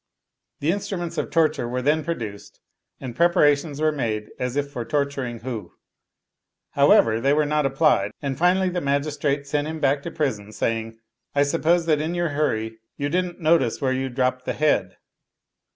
The instruments of torture were then produced, and preparations were made as if for torturing Hu; how ever, they were not applied, and finally the magistrate sent him back to prison, saying, " I suppose that in your hurry 105 Oriental Mystery Stories you didn't notice where you dropped tHe head."